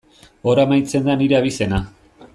Hor amaitzen da nire abizena.